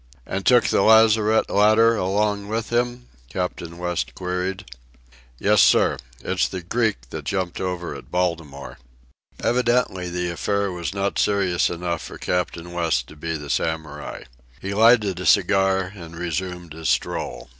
"And took the lazarette ladder along with him?" Captain West queried. "Yes, sir. It's the Greek that jumped over at Baltimore." Evidently the affair was not serious enough for Captain West to be the Samurai. He lighted a cigar and resumed his stroll.